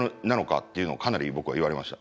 っていうのをかなり僕は言われました。